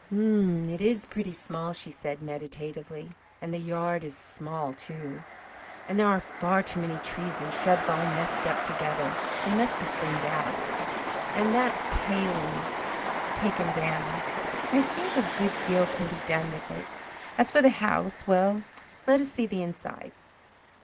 "It is pretty small," she said meditatively. "And the yard is small too and there are far too many trees and shrubs all messed up together. They must be thinned out and that paling taken down. I think a good deal can be done with it. As for the house well, let us see the inside."